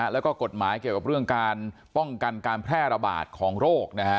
แล้วก็กฎหมายเกี่ยวกับเรื่องการป้องกันการแพร่ระบาดของโรค